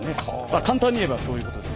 簡単に言えばそういうことです。